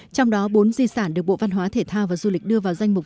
trong đó bốn di sản được bộ văn hóa thể thao và du lịch đưa vào danh mục